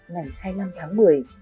ngày hai mươi năm tháng một mươi